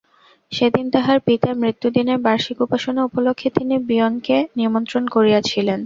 সেদিন তাঁহার পিতার মৃত্যুদিনের বার্ষিক উপাসনা উপলক্ষে তিনি বিনয়কে নিমন্ত্রণ করিয়াছিলেন।